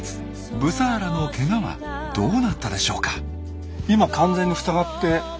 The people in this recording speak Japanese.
ブサーラのケガはどうなったでしょうか？